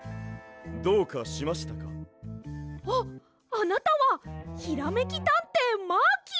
あっあなたはひらめきたんていマーキー！